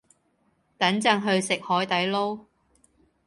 等陣去食海地撈